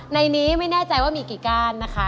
ในนี้ไม่แน่ใจว่ามีกี่ก้านนะคะ